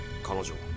彼女。